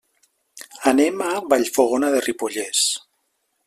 Anem a Vallfogona de Ripollès.